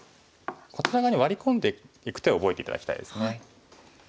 こちら側にワリ込んでいく手を覚えて頂きたいですね。